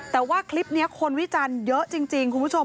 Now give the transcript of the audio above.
แต่ว่าคลิปนี้คนวิจารณ์เยอะจริงคุณผู้ชม